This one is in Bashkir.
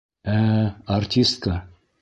Ә-ә, артистка!